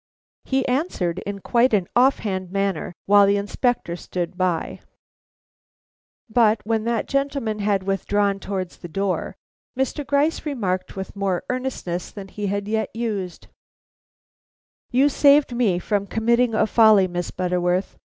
He answered in quite an off hand manner while the Inspector stood by, but when that gentleman had withdrawn towards the door, Mr. Gryce remarked with more earnestness than he had yet used: "You have saved me from committing a folly, Miss Butterworth.